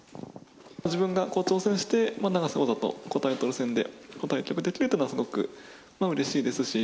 自分が挑戦して、永瀬王座とタイトル戦で対局できるというのはすごくうれしいですし。